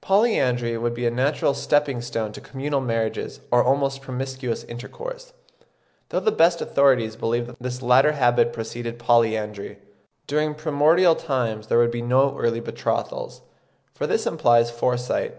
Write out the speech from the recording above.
Polyandry would be a natural stepping stone to communal marriages or almost promiscuous intercourse; though the best authorities believe that this latter habit preceded polyandry. During primordial times there would be no early betrothals, for this implies foresight.